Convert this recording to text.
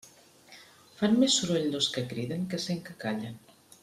Fan més soroll dos que criden que cent que callen.